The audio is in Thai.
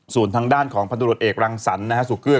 ศูนย์ทางด้านของพันธุรกรรมเอกรังสันนะครับสุขื้น